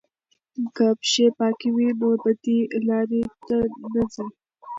که پښې پاکې وي نو بدې لارې ته نه ځي.